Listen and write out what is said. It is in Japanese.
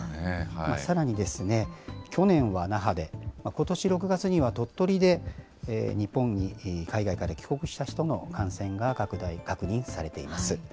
さらに、去年は那覇で、ことし６月には鳥取で、日本に海外から帰国した人の感染が確認されています。